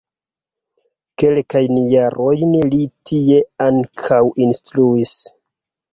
Kelkajn jarojn li tie ankaŭ instruis.